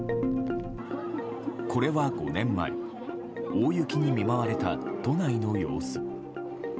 これは５年前大雪に見舞われた都内の様子。